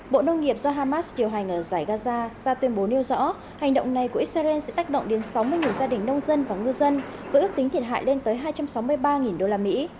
bộ nông nghiệp do hamas điều hành ở giải gaza ra tuyên bố nêu rõ hành động này của israel sẽ tác động đến sáu mươi gia đình nông dân và ngư dân với ước tính thiệt hại lên tới hai trăm sáu mươi ba đô la mỹ